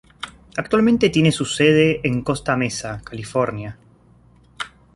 Actualmente tiene su sede en Costa Mesa, California.